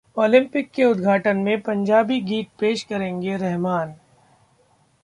Olympic के उद्घाटन में पंजाबी गीत पेश करेंगे रहमान